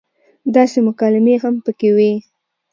داسې مکالمې هم پکې وې